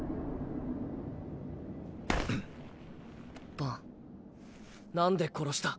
バンなんで殺した？